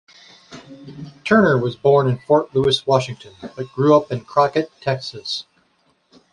Turner was born in Fort Lewis, Washington, but grew up in Crockett, Texas.